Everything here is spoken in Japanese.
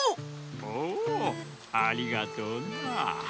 おおありがとうな。